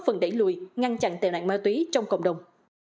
phần đẩy lùi ngăn chặn tệ nạn ma túy trong cộng đồng